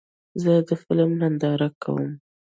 زه د فلم ننداره کوم.